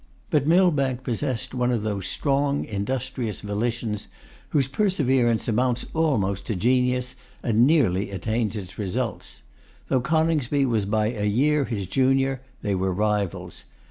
But Millbank possessed one of those strong, industrious volitions whose perseverance amounts almost to genius, and nearly attains its results. Though Coningsby was by a year his junior, they were rivals.